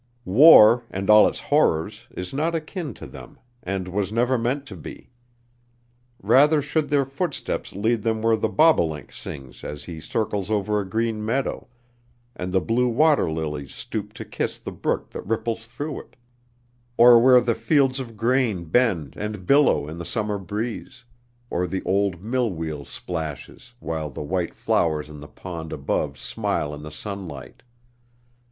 War and all its horrors is not akin to them and was never meant to be. Rather should their footsteps lead them where the bobolink sings as he circles over a green meadow, and the blue water lilies stoop to kiss the brook that ripples through it; or where the fields of grain bend and billow in the summer breeze; or the old mill wheel splashes, while the white flowers in the pond above smile in the sunlight.